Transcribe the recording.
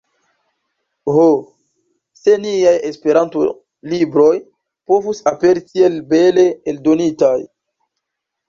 Ho, se niaj Esperanto-libroj povus aperi tiel bele eldonitaj!